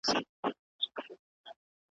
زاړه کتابونه ارزښتمن معلومات لري.